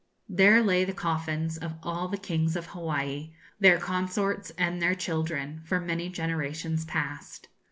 There lay the coffins of all the kings of Hawaii, their consorts, and their children, for many generations past.